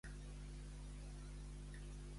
Qui són un exemple d'aquest tipus de divinitats?